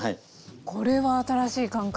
これは新しい感覚！